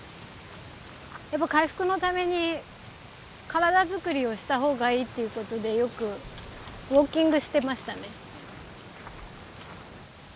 やっぱ回復のために体づくりをした方がいいということでよくウォーキングしてましたね。